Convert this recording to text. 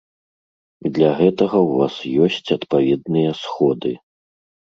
Для гэтага ў вас ёсць адпаведныя сходы.